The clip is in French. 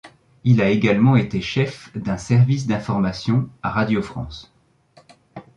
Il a également été chef d'un service d'information à Radio-France.